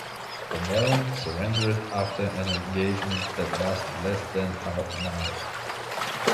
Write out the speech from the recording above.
"Pomone" surrendered after an engagement that lasted less than half an hour.